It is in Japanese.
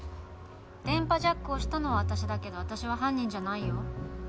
電波ジャックをしたのは私だけど私は犯人じゃないよ